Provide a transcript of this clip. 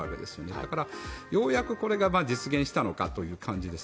だから、ようやくこれが実現したのかという感じです。